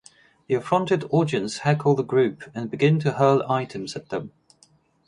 The affronted audience heckle the group, and begin to hurl items at them.